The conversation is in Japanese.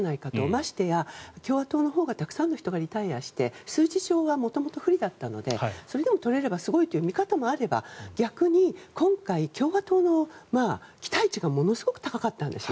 ましてや共和党のほうがたくさんの人がリタイアして数字上は元々不利だったのでそれでも取れればすごいという見方もあれば逆に今回、共和党の期待値がものすごく高かったんです。